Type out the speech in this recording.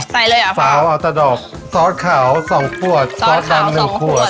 ใส่เลยเหรอพ่อสาวอัตรดอกซอสขาวสองขวดซอสขาวสองขวด